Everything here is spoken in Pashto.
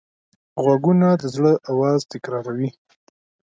غوږونه د زړه آواز تکراروي